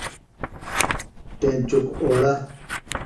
ٹِینچُک اوڑہ۔